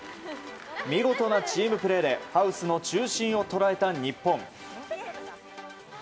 見事なチームプレーでハウスの中心を捉えた日本。